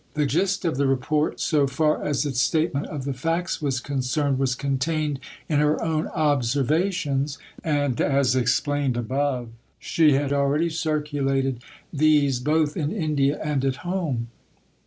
The gist of the Report, so far as its statement of the facts was concerned, was contained in her own "Observations"; and, as explained above, she had already circulated these both in India and at home.